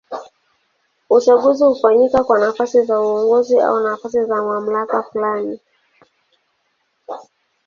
Uchaguzi hufanyika kwa nafasi za uongozi au nafasi za mamlaka fulani.